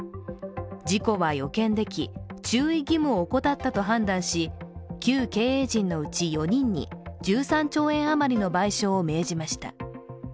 事故は予見でき、注意義務を怠ったと判断し旧経営陣のうち４人に１３兆円余りの賠償を命じました。